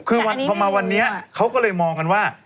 คือพอมาวันนี้เขาก็เลยมองกันว่า